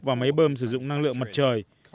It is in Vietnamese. và máy bơm sử dụng năng lượng mặt trời